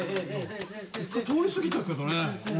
１回通り過ぎたけどね。